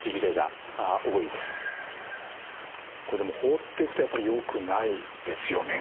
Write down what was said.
これでも放っておくとやっぱりよくないですよね？